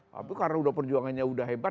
tapi karena perjuangannya udah hebat